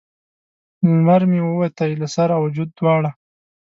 لمر مې ووتی له سر او وجود دواړه